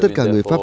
tất cả người pháp